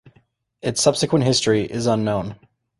Its subsequent history is unknown.